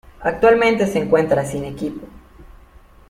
Actualmente se encuentra sin equipo